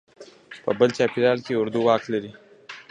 په بل چاپېریال کې اردو واک لري.